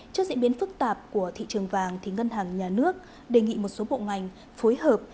trước diễn biến phức tạp của thị trường vàng ngân hàng nhà nước đề nghị một số bộ ngành phối hợp